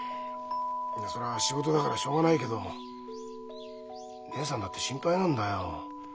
いやそりゃ仕事だからしょうがないけど義姉さんだって心配なんだよ。